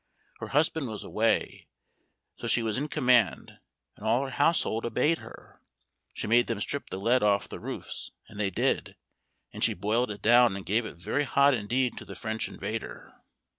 Her husband was away, so she was in command, and all her household obeyed her; She made them strip the lead off the roofs, and they did, and she boiled it down and gave it very hot indeed to the French invader.